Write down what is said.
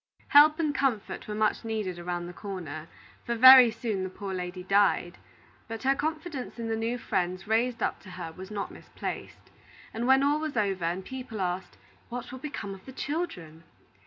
Help and comfort were much needed around the corner; for very soon the poor lady died. But her confidence in the new friends raised up to her was not misplaced; and when all was over, and people asked, "What will become of the children?"